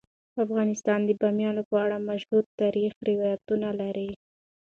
افغانستان د بامیان په اړه مشهور تاریخی روایتونه لري.